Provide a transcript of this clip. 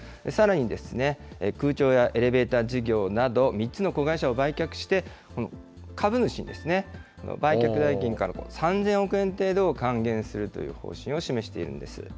さらに空調やエレベーター事業など、３つの子会社を売却して、株主に売却代金から３０００億円程度を還元するという方針を示しているんです。